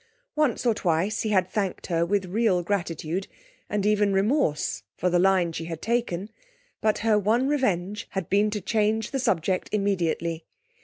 Once or twice he had thanked her with real gratitude, and even remorse, for the line she had taken, but her one revenge had been to change the subject immediately.